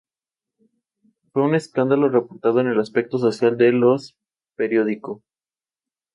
Fue un escándalo reportado en el aspecto social de los periódico.